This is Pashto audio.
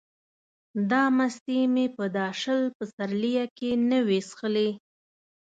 دا مستې مې په دا شل پسرلیه کې نه وې څښلې.